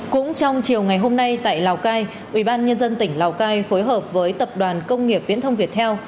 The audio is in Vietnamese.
cũng trong chiều ngày hôm nay tại lào cai ubnd tỉnh lào cai phối hợp với tập đoàn công nghiệp viễn thông việt theo